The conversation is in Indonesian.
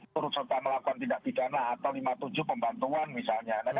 turut serta melakukan tindak pidana atau lima puluh tujuh pembantuan misalnya